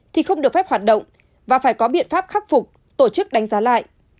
thì không được phép hoạt động và phải có biện pháp khắc phục tổ chức đánh giá lại